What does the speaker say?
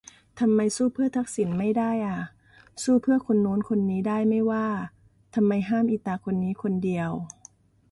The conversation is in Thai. ทำไม สู้เพื่อทักษิณ ไม่ได้อ่ะ ? สู้เพื่อคนโน้นคนนี้ได้ไม่ว่า ทำไมห้ามอีตาคนนี้คนเดียว